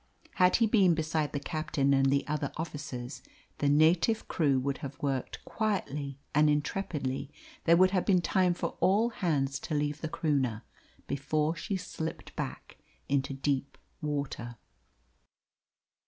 Had he been beside the captain and the other officers the native crew would have worked quietly and intrepidly; there would have been time for all hands to leave the Croonah before she slipped back into deep water.